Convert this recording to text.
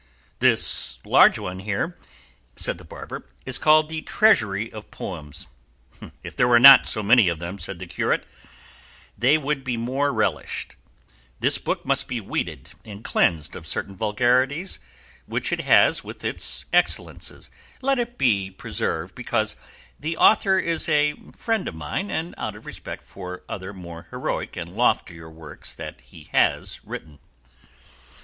"This large one here," said the barber, "is called 'The Treasury of various Poems.'" "If there were not so many of them," said the curate, "they would be more relished: this book must be weeded and cleansed of certain vulgarities which it has with its excellences; let it be preserved because the author is a friend of mine, and out of respect for other more heroic and loftier works that he has written."